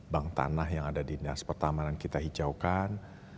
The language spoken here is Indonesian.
bank tanah yang ada di dinas pertamanan kita hijaukan